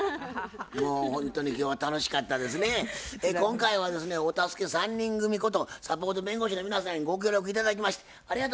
今回はですねお助け３人組ことサポート弁護士の皆さんにご協力頂きました。